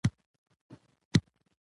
په افغانستان کې جلګه شتون لري.